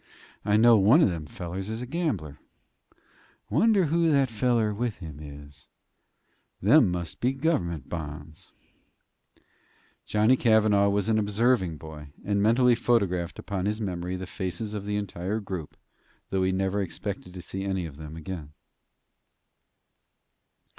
"I know one of them fellers is a gambler. Wonder who that feller with him is? Them must be gov'ment bonds." Johnny Cavanagh was an observing boy, and mentally photographed upon his memory the faces of the entire group, though he never expected to see any of them again.